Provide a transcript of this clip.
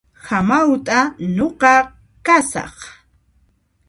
Hamawt'a nuqa kasaq